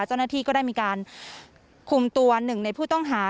เจ้าหน้าที่ก็ได้มีการคุมตัวหนึ่งในผู้ต้องหา